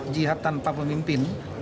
jihad tanpa pemimpin